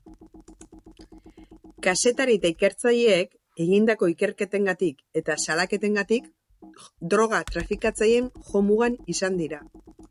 Kazetari eta ikertzaileek, egindako ikerketengatik eta salaketengatik, droga-trafikatzaileen jo-mugan izan dira.